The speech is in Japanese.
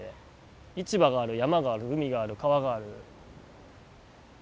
市場がある山がある海がある川がある。